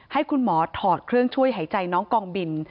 ให้คุณหมอถอดเครื่องช่วยหายใจน้องกองบิน